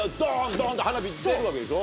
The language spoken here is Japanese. ドン！と花火出るわけでしょ？